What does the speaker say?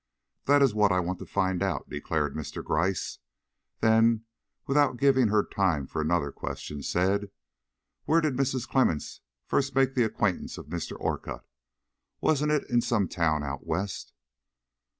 "That is what I want to find out," declared Mr. Gryce. Then, without giving her time for another question, said: "Where did Mrs. Clemmens first make the acquaintance of Mr. Orcutt? Wasn't it in some town out West?"